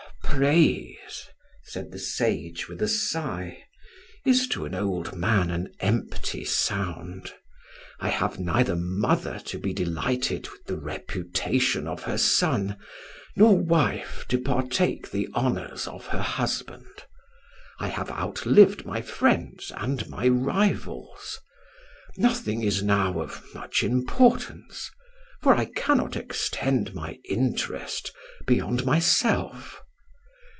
"Praise," said the sage with a sigh, "is to an old man an empty sound. I have neither mother to be delighted with the reputation of her son, nor wife to partake the honours of her husband. I have outlived my friends and my rivals. Nothing is now of much importance; for I cannot extend my interest beyond myself.